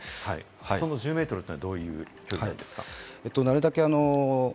その１０メートルというのはどういうことですか？